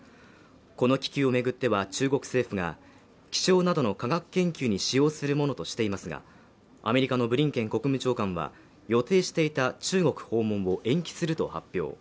この気球をめぐっては中国政府が気象などの科学研究に使用するものとしていますがアメリカのブリンケン国務長官は予定していた中国訪問を延期すると発表